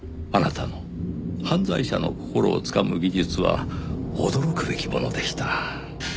あなたの犯罪者の心をつかむ技術は驚くべきものでした。